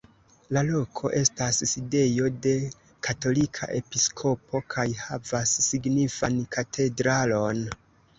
La loko estas sidejo de katolika episkopo kaj havas signifan katedralon.